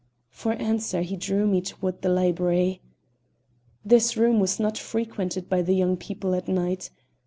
For answer he drew me toward the library. This room was not frequented by the young people at night.